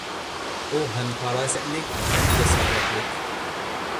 ئۇ ھەم پاراسەتلىك ھەم جاسارەتلىك.